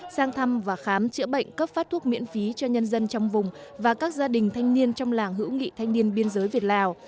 sang thăm và khám chữa bệnh cấp phát thuốc miễn phí cho nhân dân trong vùng và các gia đình thanh niên trong làng hữu nghị thanh niên biên giới việt lào